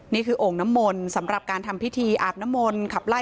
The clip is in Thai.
นี่คือโอ่งน้ำมนท์สำหรับการทำพิธีอาบน้ำมนท์